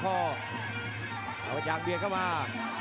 ขาวเกาะจังเบียนเข้ามา